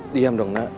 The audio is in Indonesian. diam dong nak